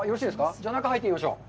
じゃあ、中に入っていきましょう。